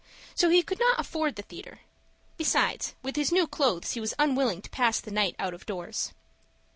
So he could not afford the theatre. Besides, with his new clothes, he was unwilling to pass the night out of doors.